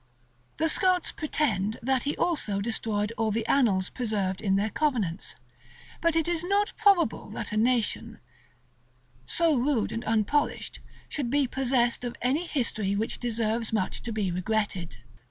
The Scots pretend that he also destroyed all the annals preserved in their convents: but it is not probable that a nation, so rude and unpolished, should be possessed of any history which deserves much to be regretted.